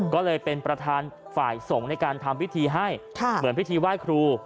ก็เลยเป็นประธานฝ่ายสงฆ์ในการทำพิธีให้เหมือนพิธีไหว้ครู